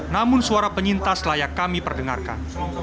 namun suara penyintas layak kami perdengarkan